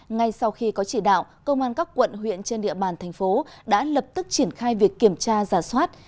ngay sau khi có chỉ đạo công an các quận huyện trên địa bàn thành phố đã lập tức triển khai việc kiểm tra giả soát